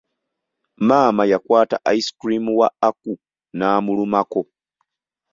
Maama yakwata ice cream wa Aku n'amulumako.